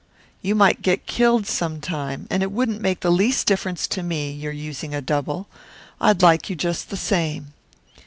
"You might get killed sometime. And it wouldn't make the least difference to me, your using a double. I'd like you just the same."